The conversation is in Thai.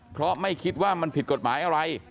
เพราะไม่คิดว่ามันผิดกฎหมายอะไร